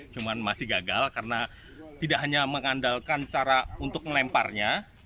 cuma masih gagal karena tidak hanya mengandalkan cara untuk melemparnya